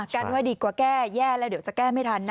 กันไว้ดีกว่าแก้แย่แล้วเดี๋ยวจะแก้ไม่ทันนะ